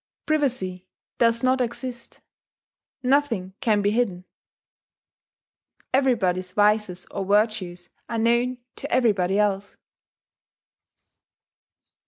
Privacy does not exist; nothing can be hidden; everybody's vices or virtues are known to everybody else.